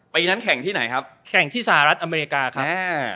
ปีนั้นแข่งที่ไหนครับแข่งที่สหรัฐอเมริกาครับ